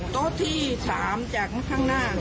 โต๊ะที่๓จากข้างหน้า